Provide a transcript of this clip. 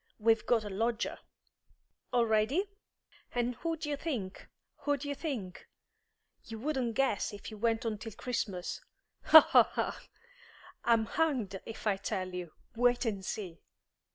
We've got a lodger." "Already?" "And who d'ye think? Who d'ye think? You wouldn't guess if you went on till Christmas. Ho, ho, ho! I'm hanged if I tell you. Wait and see!"